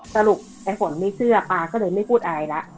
สรุปไอ้ฝนไม่เชื่อป๊าก็เลยไม่พูดอะไรละ